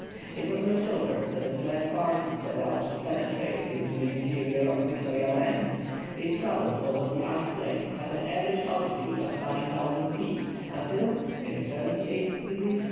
It was in October that a sledge party set out to penetrate into the interior of Victoria Land. They travelled over the ice plain at an average altitude of 9000 feet until, in 78° S.